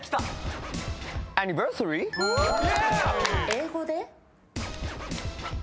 英語で？